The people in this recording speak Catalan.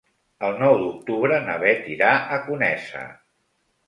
El nou d'octubre na Beth irà a Conesa.